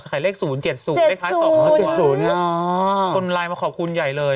สไข่เลขศูนย์เจ็ดศูนย์เออเจ็ดศูนย์คนไลน์มาขอบคุณใหญ่เลย